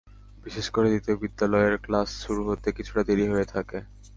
বিশেষ করে দ্বিতীয় বিদ্যালয়ের ক্লাস শুরু হতে কিছুটা দেরি হয়ে থাকে।